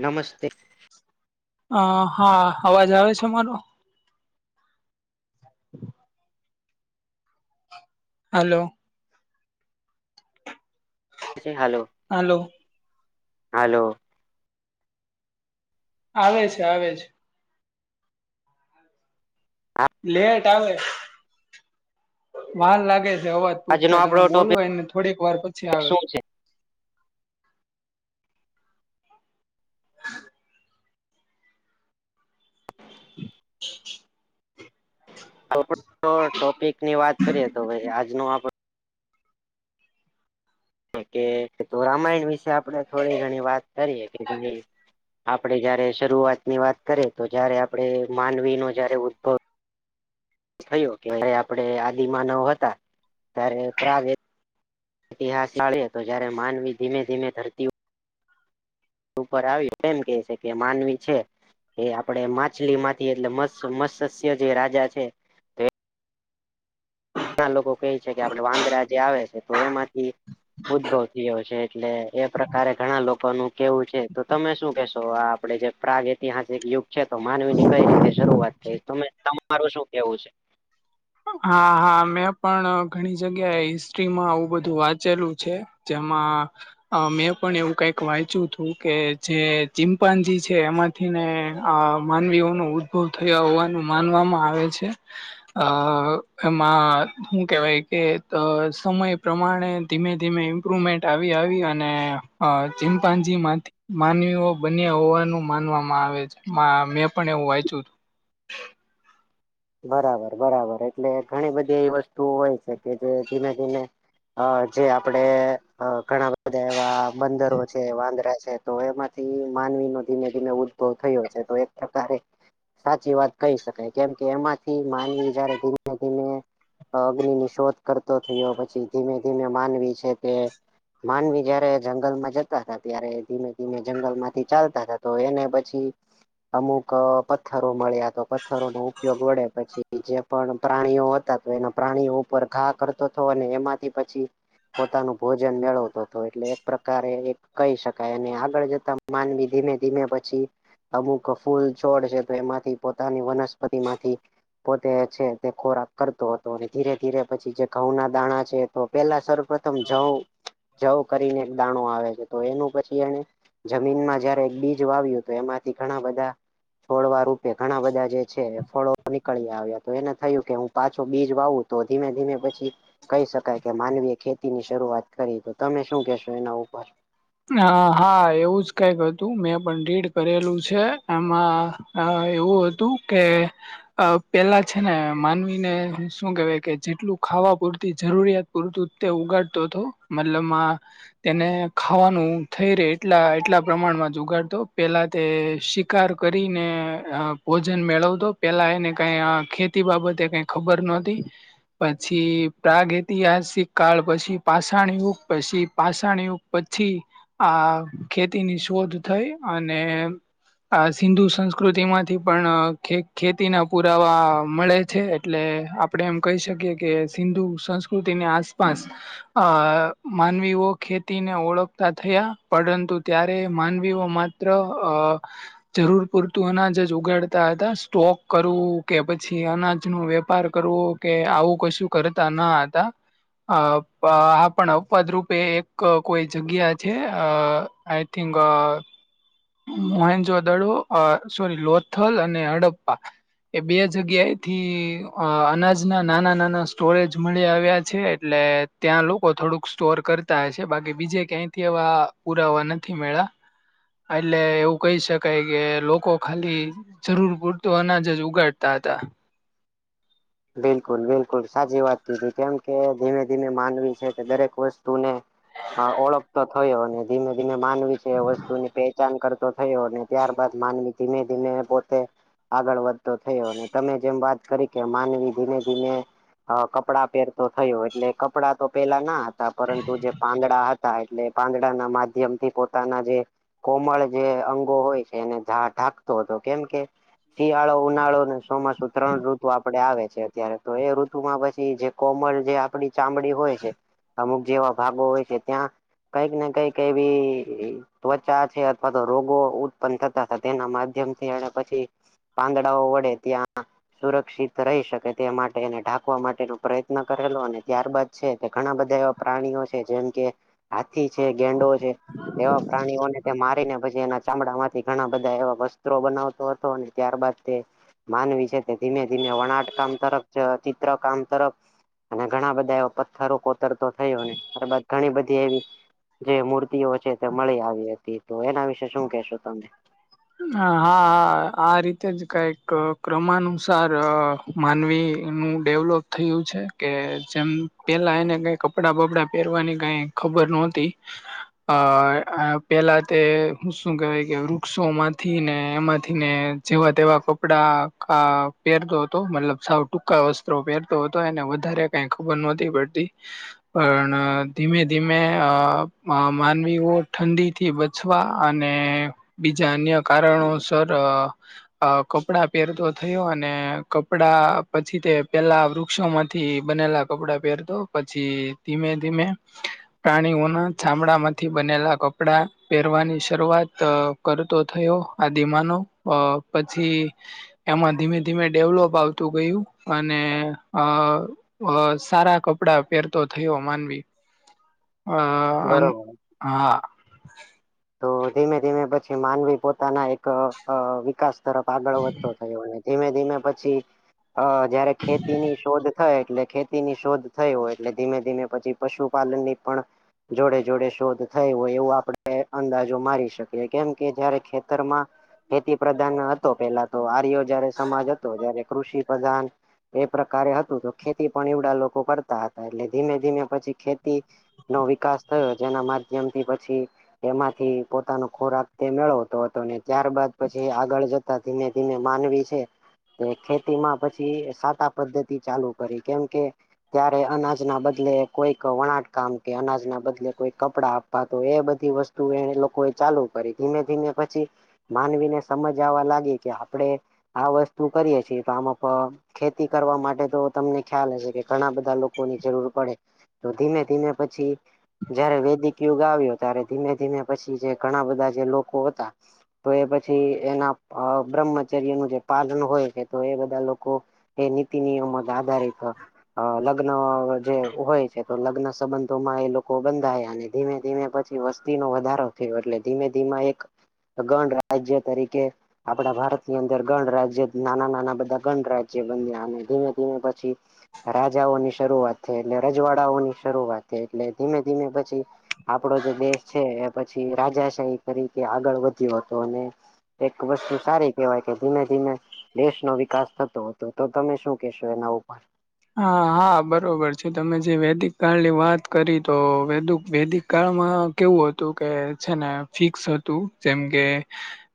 નમસ્તે હ હા અવાજ આવે છે મારો હલો. Hello, hello hello. આવે છે આવે છે. લેટ આવે, વાન લાગે છે હવાજ. આજનો તા તમે આપડો બોલો ટોપિક એને થોડીક વાર પછી આવે. શું છે [inaudible] આપ ટોપિકની વાત કરીએ તો આજ ન આપડ કે રામાયણ વિશે આપણે થોડી ઘણી વાત કરીએ કે ભણી. આપડે જયારે શરૂઆતની વાત કરીએ તો જયારે આપણે માનવી નો જયારે ઉદભવ થયો કે ભ આપડે આદિમા નવ હતા, ત્યારે પ્રગ ઇતિહાસ ચાળીએ તો જયારે માનવી ધીમે ધીમે ધરતી ઉપર આવ્યું એમ કે છે કે માનવી છે. એ આપડે માછલી માંથી એટલે મસ મત્સસ્ય જે રાજા છે. ના લોકો કહે છે કે આપડે વાંદરા જે આવે છે તો એમાંથી. ઉદ્ભવ થયો છે. એટલે એ પ્રકારે ઘણા લોકોનું કેવું છે તો તમે શું કેશો આ આપડે જે પ્રાગ ઐતિહાસિક યુગ છે. તો માનવી ની કઈ રીતે શરૂઆત થઈ ત તમારું શું કેવું છે? હા હા, મેં પણ ઘણી જગ્યાએ હિસ્ટ્રીમાં આવું બધું વાંચેલું છે. જેમાં અ મેં પણ એવું કઈક વાંચ્યું હતું કે જે ચિમ્પાજી છે એમાં ને આ માનવીઓ ન ઉદ્ભવ થયા હોવાનું માનવામાં આવે છે. હ એમાં શું કેહેવાય કે સમય પ્રમાણે ધીમે ધીમે. ઇમ્પ્રુમેન્ટ આવી આવી અને ચિમપાજીમાંથી. માનવીઓ બન્યા હોવાનું માનવામાં આવે છે, મેં પણ એવું વાંચ્યું. બરાબર બરાબર એટલે ઘણી બધી એવી વસ્તુ હોય છે કે જે ધીમે ધીને અ જે આપડે ઘણા બધા એવા બંદરો છે વાંદરા છે. તો એમાંથી માનવી નો ધીમે ધીમે ઉદ્ભવ થયો છે તો એક પ્રકારે સાચી વાત કહી શકાય કેમ કે એમાંથી માનવી જયારે ધીમે ધીમે. અગ્નિ ની શોધ કરતો થયો પછી ધીમે ધીમે માનવી છે કે માનવી જયારે જંગલમાં જતા હતા ત્યારે ધીમે ધીમે જંગલમાંથી ચાલતા હતા તો એને પછી અમુક પથ્થરો મળ્યા તો પથ્થરો ઉપયોગ વડે પછી જે પણ પ્રાણીઓ હતા તો એના પ્રાણીઓ ઉપર ઘા કરતો હતો અને એમાંથી પછી પોતાનું ભોજન મેળવતોું હતો, એટલે એક પ્રકારે એક કહી શકાય અને આગળ જતા માનવી ધીમે ધીમે પછી, અમુક ફૂલ છોડ છે તો એમાંથી પોતાની વનસ્પ તિ માંથી પોતે છે તે ખોરાક કરતો હતો અને ધીરે ધીરે પછી જે ઘઉ ના દાણા છે. તો પેલા સર્વપથમ જવ જઉ કરીને એક દાણું આવે છે તો એનું પછી એને જમીનમાં જયારે એક બીજ વાવ્યું તો એમાંથી ઘણા બધા, છોડવા રૂપે ઘણા બધા જે છે ફળો નીકળી આવ્યા તો એને થયું કે હું પાછો બીજ વાવું તો ધીમે ધીમે પછી કહી શકાય કે માનવીય ખેતી ની શરૂઆત કરી તો તમે શું કેશો એના ઉપર? હ હા એવું જ કઈક હતું મેં પણ રીડ કરેલું છે એમાં હ એવું હતું કે અ પેલા છે ને માનવીને શું કેહેવાય કે જેટલું ખાવા પૂરતી જરૂરિયાત પૂરતું તે ઉગાડતો હતો મતલબ આ, તેને ખાવાનું થઈ રે એટલા એટલા પ્રમાણમાં જ જોગાડતો પેલા તે શી કાર કરીને અહ ભોજન મેળવતો પેલા એને કઈ આ ખેતી બાબતે કઈ ખબર નતી. પછી પ્રાગ ઐતિહાસિક કાળ પછી પાષણ યુગ પછી પાષાણ યુગ. પછી આ ખેતીની શોધ થઈ અને આ સિંધુ સંસ્કૃતિ માંથી પણ ખેતીના પુરાવા મળે છે એટલે અપ આપણે એમ કહી શકીએ કે સિંધુ સંસ્કૃતિની આસપાસ અ માનવીઓ ખેત તી ને ઓળખતા થયા પરંતુ ત્યારે માનવીઓ માત્ર અ જરૂર પૂરતું અનાજ જ ઉગાડતા હતા સ્ટોક કરવું કે પછી અનાજ નુ વેપાર કરવું કે આવું કશું કરતા નાતા અ હા પણ પદરૂપે એક કોઈ જગ્યા છે અ આઈ થિંક અ મોહેન્જો દડો સોરી લોથલ અને હડપ્પા એ બે જગ્યાએથી અનાજના નાના નાના સ્ટોરેજ મળી આવ્યા છે એટલે ત્યાં લોકો થોડુંક સ્ટોર કરતા હ છે બાકી બીજે ક્યાંથી એવા પુરાવા નથી મે્યા એટલે એવું કહી શકાય કે લોકો ખાલી જરૂર પૂરતો અનાજ જ ઉગાડતા હતા બિલકુલ બિલકુલ સાચી વાત તીધ કેમ કે ધીમે ધીમે માનવી છે કે દરેક વસ્તુને હા ઓળખ તો થયો અને ધીમે ધીમે માનવી છે એ વસ્તુ ની પહેચાન કર થયો ને ત્યારબાદ માનવી ધીમે ધીમે પોતે આગળ વધતો થયો ને તમે જેમ વાત કરી કે માનવી ધીમે ધીમે કપડા પહેરતો થયો એટલે કપડા તો પેલા ના હતા પરંતુ જે પાંદડા હતા એટલે પાંદડા ના માધ્યમ થી પોતાના જે કોમળ જે અંગો હોય છે એને ઢાંકતો હતો કેમ કે શિયાળો ઉનાળો અને ચોમાસું ત્રણ ઋતુ આપ આપડે આવે છે અત્યારે તો એ ઋતુમાં પછી જે કોમળ જે આપડી ચામડી હોય છે. અમુક જેવા ભાગો હોય છે ત્યાં કઈક ને કઈક એવી ત્વચા છે અથવા તો રોગો ઉત્પન્ન થતા તેના માધ્યમથી અને પછી પાંદડાઓ વડે ત્યાં સુરક્ષિત રહી શકે તે માટે એને ઢાંકવા માટેનો પ્રયત્ન કરેલો અને ત્યારબાદ છે તે ઘણા બધા પ્રાણીઓ છે જેમ કે હાથી છે ગેંડો છે એવા પ્રાણીઓને મારીને પછી એના ચામડા માંથી ઘણા બધા એવા વસ્ત્રો બનાવતો હતો અને ત્યારબાદ તે માનવી છે તે ધીમે વણાટ કામ તરફ ચિત્ર કામ તરફ અને ઘણા બધા એવા પથ્થરો કોતરતો થયો ને અબ ઘણી બધી એવી જે મૂર્તિઓ છે તે મળી આવી હતી તો એના વિશે શું કેહેશો તમે હ હા આ રીતે જ કઈક ક્રમાનુસાર માનવી નું ડેવલોપ થયું છે કે જેમ પેલા એને કઈ કડા બબડા પહેરવાની કઈ ખબર નહોતી અ પેલા તે હું શું કહેવાય કે શો માંથી ને એમાંથી ને જેવા તેવા કપડા પહેરતો હતો મતલબ સાઉ ટૂંકા વસ્ત્રો પહેરતો હતો એને વધારે કઈ ખબર નહતી પડતી પણ ધીમે ધીમે અ માનવીઓ ઠંડીથી છવા અને બીજા અન્ય કારણોસર અ કપડાં પહેરતો થયો અને કપડા પછી તે પેલા વૃક્ષોમાં થી બનેલા કપડા પહેરતો પછી ધીમે ધીમે પ્રાણીઓના ચામડા માંથી બનેલા કપડા પહેરવાની શરૂઆત અ કરતો થયો આ દિમાનો પછી એમાં ધીમે ધીમે ડેવલોપ આવતું ગયું અને અ અ સારા કપડા પહેરતો થયો માનવી અ અને બરોબર. હા તો ધીમે ધીમે પછી માનવી પોતાના એક વિકાસ તરફ આગળ વધતો થયો ધીમે ધીમે પછી અ જયારે ખેતીની શોધ થાય એટલે ખેતી ની શોધ થઈ હોય એટલે ધીમે ધીમે પછી પશુપાલન ની પણ જોડે જોડે શોધ થઈ હોય એવું આપડે અંદાજો મારી શકીએ કેમ કે જયારે ખેતરમાં ખેતી પ્રધાન હતો પેલા તો આર્ય જયારે સમાજ હતો જય્યારે કૃષિ પ્રધાન એ પ્રકારે હતું તો ખેતી પણ એવડા લોકો કરતા હતા એટલે ધીમે ધીમે પછી ખેતી નો વિકાસ થયો જેના માધ્યમથી પછી એમાંથી પોતાનો ખોરાક તે મેળવતો હતો ને ત્યારબાદ પછી આગળ જ ધીમે ધીમે માનવી છે. તે ખેતી માં પછી સાતાા પદ્ધતિ ચાલુ કરી કેમ કે- ત્યારે અનાજ ના બદલે કોઈક વણાટકામ કે અનાજ ના બદલે કોઈક કપડા આપવા તો એ બધી વસ્તુ ત એને લોકોએ ચાલુ કરી ધીમે ધીમે પછી. માનવીને સમજ આવવા લાગે કે આપડે આ વસ્તુ કરીએ છીએ તો આમાં ખેતી કરવા માટે તો તમને ખ્યાલ હશે કે ઘણા બધા લોકોની જરૂર પડે તો ધીમે ધીમે પછી જયારે વેદિક યુગ આવ્યો ત્યારે ધીમે ધીમે પછી જે ઘણા બધા જે લોકો હતા તો એ પછી એના બ્રહ્મચર્ય નું જે પાલન હોય છે તો એ બધા લોકો એ નીતિ નિયમ જ આધારિત- અ લગ્ન જે હોય છે તો લગ્ન સંબંધોમાં એ લોકો બંધાય અને ધીમે ધીમે પછી. નો વધારો થયો એટલે ધીમે ધીમે એક ગણરાજ્ય તરીકે આપણા ભારતની અંદર ગણ રાજ્ય નાના નાના બધા ગણ રાજ્ય બ્યામે ધીમે ધીમે પછી રાજાઓ ની શરૂઆત થઈ એટલે રજવાડાઓની શરૂઆત થઈ એટલે ધીમે ધીમે પછી આપડો જે દેશ છે પછી રાજા કરી આગળ વધ્યો હતો અને એક વસ્તુ સારી કેહેવાય કે ધીમે ધીમે- દેશ ન વિકાસ થતો હતો તો તમે શું કેશો એના ઉપર- હા હા બરોબર છે તમે જે વેદિક કાળની વાત કરી તો વેદ વેદિક કાળમાં કેવું હતું કે છે ને ફિક્સ હતું જેમ કે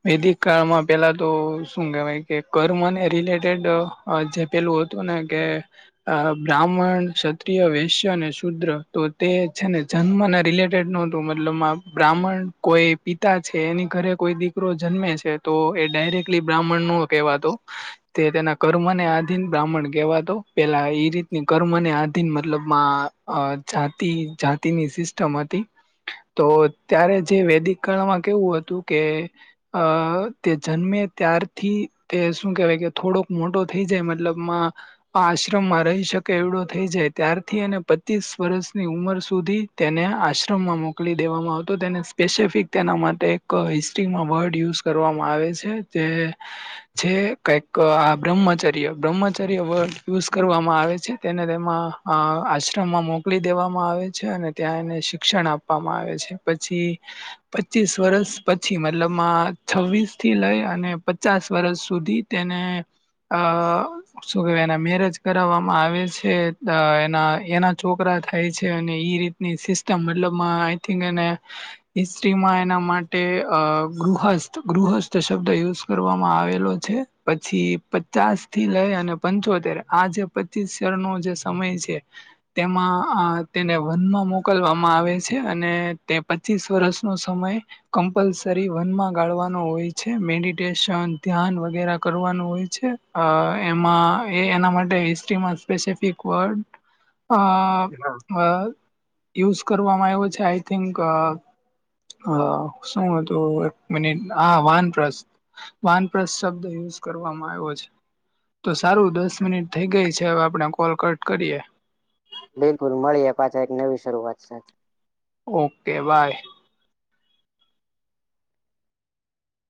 વૈદિક કાળમાં પેલા તો શું કેહેવાય કે કર્મને રિલેટેડ- જે પેલું હતું ને કે અ બ્રાહ્મણ ક્ષત્રિય વૈશ્ય અને શૂદ્ર તો તે છે. ને જન્મને રિલેટેડ નહોતું મતલબ બ્રાહ્મણ કોઈ પિતા છે. એની ઘરે કોઈ દીક ક જન્મે છે તો એ ડાયરેક્ટલી બ્રાહ્મણ નો કવાતો તે તેના કર્મને આધીન બ્રાહ્મણ કહેવાતો. પેલા એ રીત કર્મને આધીન મતલબમાં જાતિ જાતિની સિસ્ટમ હતી. તો ત્યારે જે વૈદિક કળમાં કેવું હતું કે અ તે જન્મે ત્યારથી તે શું કેહેવાય કે થોડોક મોટો થઈ જાય મતલબમાં આ આશ્રમમાં રહી શકે એવડો થઈ જાય ત્યારથી એને પચીસ વર્ષની ઉંમર સુધી તેને આશ્રમમાં મોકલી દેવામાં આવતો તેને સ્પેસિફિક તેના માટે એક હિસ્ટ્રીમાં વર્ડ યુઝ કરવામાં આવે છે તે છે કઈક આ બ્રહ્મચર્ય બ્રહ્મચર્ય વર્ડ યુઝ કરવામાં આવે છે તેને તેમાં આશ્રમમાં મોકલી દેવામાં આવે છે. અને ત્યાં એને શિક્ષણ આપવામાં આવે છે. પછી પચીસ વર્ષ પછી મતલબમાં છવ્વીસ થી લઈ અને પચાસ વર્ષ સુધી. તેને આ શું કે મેરેજ કરાવવામાં આવે છે એના એના છોકરા થાય છે. અને એઈ રીતે ની સિસ્ટમ મતલબમાં આઈ થિક એને હિસ્ટ્રીમાં એના માટે અ ગૃહસ્થ ગૃહસ્થ શબ્દ યુઝ કરવામાં આવેલો છે પછી પચાસ થી લઈ અને પંચો તેર આ જે પચીસર નો જે સમય છે તેમાં અ તેને વનમાં મોકલવામાં આવે છે અને તે પચીસ વરષનો સમય કમ્પલસરી વનમાં ગાળવાનું હોય છે મેડિટેશન ધ્યાન વગેરે કરવાનું હોય છે અ એમાં એ એના માટે હિસ્ટ્રીમાં સ્પેસિફિક વર્ડ અ અ હા યુઝ કરવામાં આવ્યો છે આઈ થિંક હ શું હતું એક મિનટ આ વાનરસ વાનપ્લસ શબ્દ યુઝ કરવામાં આવ્યો છે. તો સારું દસ મિનિટ થઈ ગઈ છે, હવે આપડે કોલ કટ કરીએ. બિલકુલ મળીએ પાછા એક નવી શરૂઆત સાથે. Okay bye